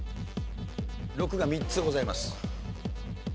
「ろく」が３つございます。